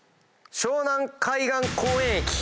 ⁉「湘南海岸公園駅」